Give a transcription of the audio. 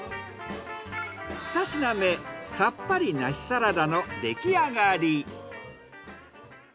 ２品目さっぱり梨サラダのできあがり。